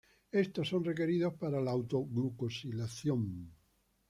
Estos son requeridos para la auto-glucosilación.